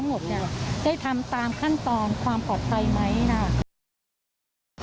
ได้ทำตามขั้นตอนความปลอดภัยไหม